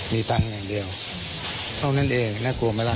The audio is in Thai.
มีดงอย่างเดียวเข้านั่นเองน่ากลัวมั้ยล่ะ